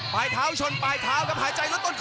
ปลายเท้าชนปลายเท้าครับหายใจลดต้นคอ